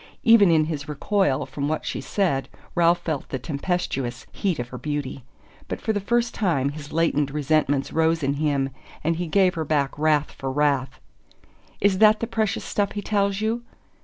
Even in his recoil from what she said Ralph felt the tempestuous heat of her beauty. But for the first time his latent resentments rose in him, and he gave her back wrath for wrath. "Is that the precious stuff he tells you?"